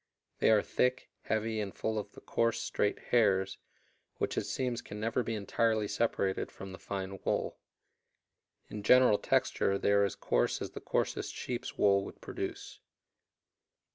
They are thick, heavy, and full of the coarse, straight hairs, which it seems can never be entirely separated from the fine wool. In general texture they are as coarse as the coarsest sheep's wool would produce.